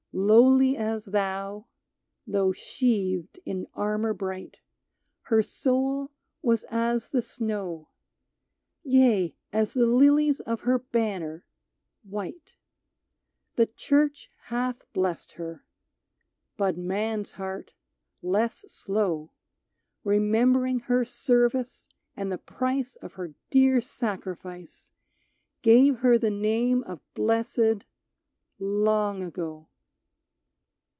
Lowly as thou (though sheathed in armor bright), Her soul was as the snow — Yea, as the lilies of her banner, white. The Church hath blessed her ; but man's heart, less slow, Remembering her service and the price Of her dear sacrifice, Gave her the name of blessed — long ago.